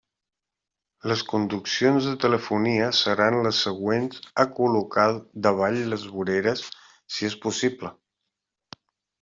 Les conduccions de telefonia seran les següents a col·locar davall les voreres si és possible.